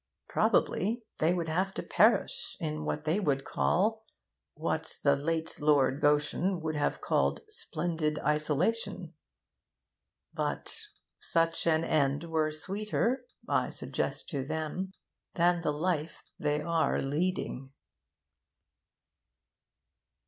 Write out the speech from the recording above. Probably they would have to perish in what they would call 'what the late Lord Goschen would have called "splendid isolation."' But such an end were sweeter, I suggest to them, than the life they are leading.